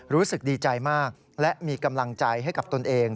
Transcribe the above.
รู้สึกดีใจมากและมีกำลังใจให้กับตนเอง